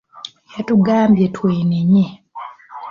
Yatugambye twenenye.